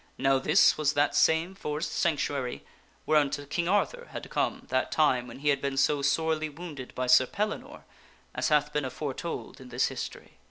(Now this was that same forest sanctuary whereunto King Arthur had come that time when he had been so sorely wounded by Sir Pellinore as hath been aforetold in this history.)